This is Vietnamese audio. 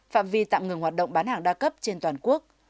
phạm vi tạm ngừng hoạt động bán hàng đa cấp trên toàn quốc